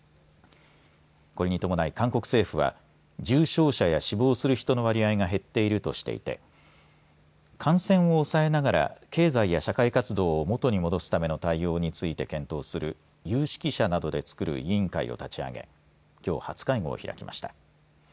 これに伴い、韓国政府は重症者や死亡する人の割合が減っているとしていて感染を抑えながら経済や社会活動を元に戻すための対応について検討する有識者などで作る委員会を立ち上げきょう初会合を開きました。